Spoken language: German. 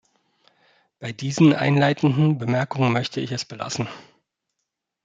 Bei diesen einleitenden Bemerkungen möchte ich es belassen.